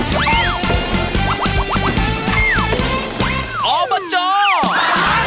ขอบคุณครับ